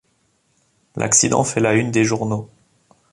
L'accident fait la une des journaux.